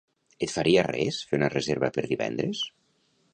Et faria res fer una reserva per divendres?